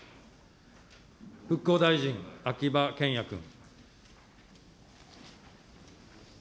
復興大臣、秋葉賢也君。